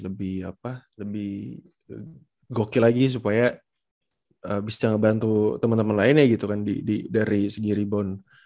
lebih apa lebih goki lagi supaya bisa ngebantu temen temen lainnya gitu kan dari segi rebound